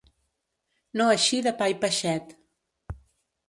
No eixir de pa i peixet.